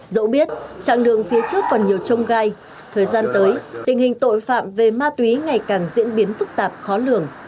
dẫu biết chặng đường phía trước còn nhiều trông gai thời gian tới tình hình tội phạm về ma túy ngày càng diễn biến phức tạp khó lường